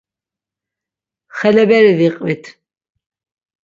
Xeleberi viqvit.